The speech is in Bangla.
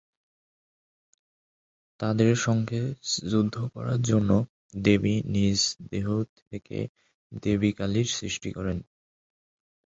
তাদের সঙ্গে যুদ্ধ করার জন্য দেবী নিজ দেহ থেকে দেবী কালীর সৃষ্টি করলেন।